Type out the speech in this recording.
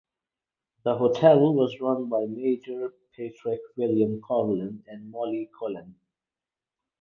The hotel was run by Major Patrick William Coghlan and Molly Colan.